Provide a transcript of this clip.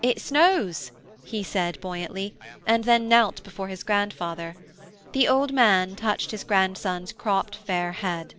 'It snows,' he said buoyantly, and then knelt before his grandfather. The old man touched his grandson's cropped fair head.